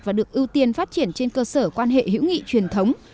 và được ưu tiên phát triển trên cơ sở quan hệ hữu nghị truyền thống